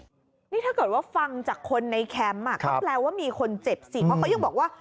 นี่ถ้าเกิดว่าฟังจากคนในแคมป์ก็แปลว่ามีคนเจ็บสิเพราะเขายังบอกว่า